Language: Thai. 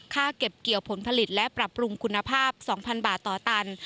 เก็บเกี่ยวผลผลิตและปรับปรุงคุณภาพ๒๐๐บาทต่อตัน